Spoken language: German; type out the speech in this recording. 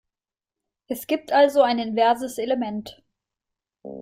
Es gibt also ein inverses Element.